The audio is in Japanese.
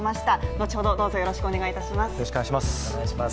後ほど、どうぞよろしくお願いします。